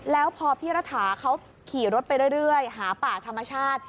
แล้วพอพี่รัฐาเขาขี่รถไปเรื่อยหาป่าธรรมชาติ